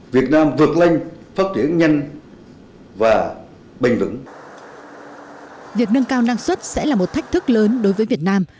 việc nâng cao năng suất sẽ là một thách thức lớn đối với việt nam